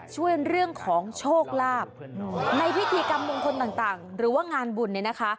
ช่วยเรื่องของโชคลาภในพิธีกรรมมงคลต่างหรือว่างานบุญเนี่ยนะคะ